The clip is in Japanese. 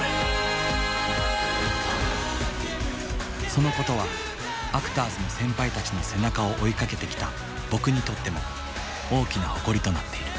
そのことはアクターズの先輩たちの背中を追いかけてきた僕にとっても大きな誇りとなっている。